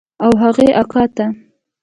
او هغې اکا ته.